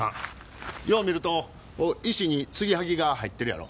よう見ると石に継ぎ接ぎが入ってるやろ？